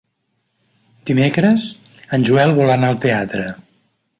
Dimecres en Joel vol anar al teatre.